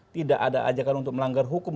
tidak ada ajakan untuk melanggar hukum